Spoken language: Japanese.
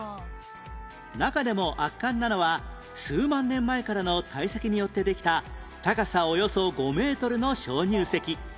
中でも圧巻なのは数万年前からの堆積によってできた高さおよそ５メートルの鍾乳石